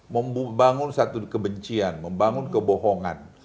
membangun satu kebencian membangun kebohongan